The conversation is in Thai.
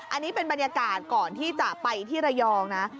อันนี้เป็นบรรยากาศก่อนที่จะไปที่ระยองนะ